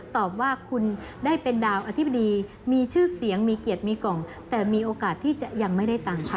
ตอบว่าคุณได้เป็นดาวอธิบดีมีชื่อเสียงมีเกียรติมีกล่องแต่มีโอกาสที่จะยังไม่ได้ตังค์ค่ะ